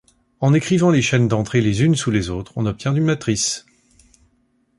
En écrivant les chaînes d'entrée les unes sous les autres, on obtient une matrice.